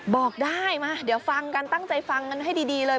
บอกได้มาเดี๋ยวฟังกันตั้งใจฟังกันให้ดีเลย